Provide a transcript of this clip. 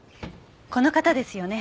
この方ですよね？